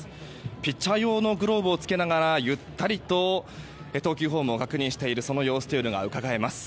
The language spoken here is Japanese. ピッチャー用のグローブを付けながらゆったりと投球フォームを確認している様子がうかがえます。